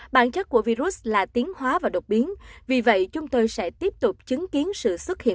bản chất của virus là tiến hóa và độc biến vì vậy chúng tôi sẽ tiếp tục chứng kiến sự xuất hiện